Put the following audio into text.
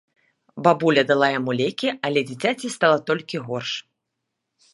Бабуля дала яму лекі, але дзіцяці стала толькі горш.